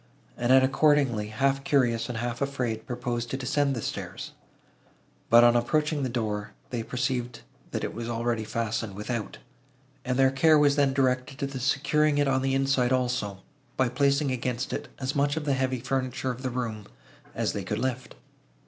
Annette accordingly, half curious and half afraid, proposed to descend the stairs; but, on approaching the door, they perceived, that it was already fastened without, and their care was then directed to the securing it on the inside also, by placing against it as much of the heavy furniture of the room, as they could lift.